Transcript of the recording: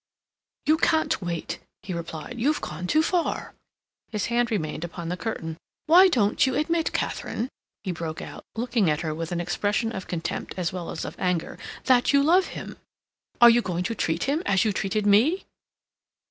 "You can't wait," he replied. "You've gone too far." His hand remained upon the curtain. "Why don't you admit, Katharine," he broke out, looking at her with an expression of contempt as well as of anger, "that you love him? Are you going to treat him as you treated me?"